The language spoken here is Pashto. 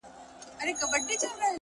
د تورو زلفو په هر تار راته خبري کوه؛